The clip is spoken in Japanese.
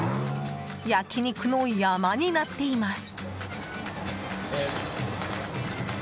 焼き肉の山になっています。